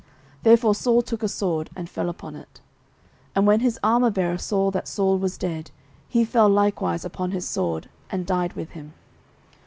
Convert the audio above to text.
Therefore Saul took a sword, and fell upon it. 09:031:005 And when his armourbearer saw that Saul was dead, he fell likewise upon his sword, and died with him.